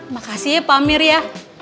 makasih pak amir ya